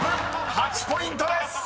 ８ポイントです］